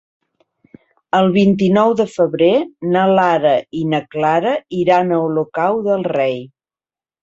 El vint-i-nou de febrer na Lara i na Clara iran a Olocau del Rei.